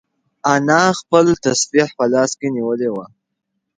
انا خپل تسبیح په لاس کې نیولې وه.